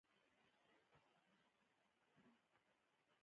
ګیلاس د انا له لاسه چای پکې راوړل کېږي.